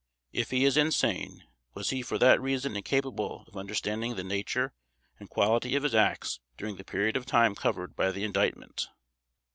If he is insane, was he for that reason incapable of understanding the nature and quality of his acts during the period of time covered by the Indictment?